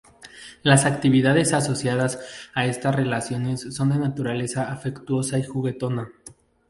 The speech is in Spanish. Las actividades asociadas a estas relaciones son de naturaleza afectuosa y juguetona.